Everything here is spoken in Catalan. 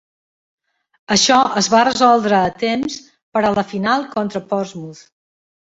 Això es va resoldre a temps per a la final contra Portsmouth.